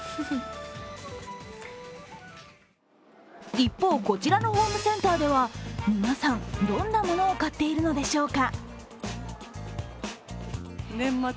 一方、こちらのホームセンターでは皆さん、どんなものを買っているのでしょうか？